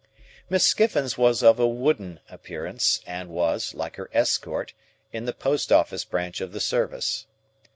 Miss Skiffins was of a wooden appearance, and was, like her escort, in the post office branch of the service.